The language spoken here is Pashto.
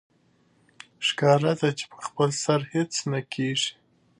ښکاره ده چې په خپل سر هېڅ نه کېږي